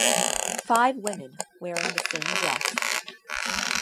"Five Women Wearing the Same Dress".